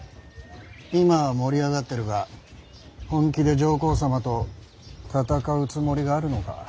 今は盛り上がってるが本気で上皇様と戦うつもりがあるのか。